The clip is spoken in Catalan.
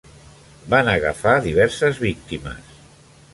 Van agafar diverses víctimes.